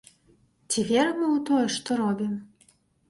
Ці верым мы ў тое, што робім?